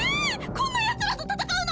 こんなヤツらと戦うの⁉